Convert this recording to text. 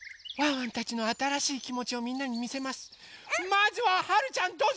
まずははるちゃんどうぞ！